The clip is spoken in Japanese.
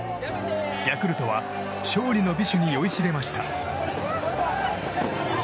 ヤクルトは勝利の美酒に酔いしれました。